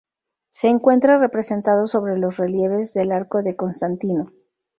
Se encuentra representado sobre los relieves del arco de Constantino.